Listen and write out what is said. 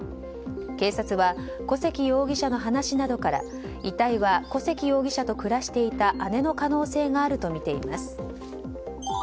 警察は、小関容疑者の話などから遺体は小関容疑者と暮らしていた姉の可能性があるとみています。